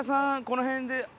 この辺で。